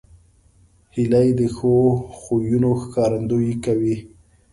هیلۍ د ښو خویونو ښکارندویي کوي